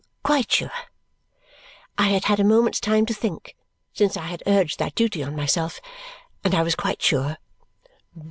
Quite sure. I had had a moment's time to think, since I had urged that duty on myself, and I was quite sure.